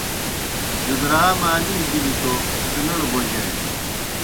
جُدرا مالی بِلیْ تو سِنڑ بوجانیْ